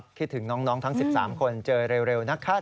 คิดถึงน้องทั้ง๑๓คนเจอเร็วนะคะ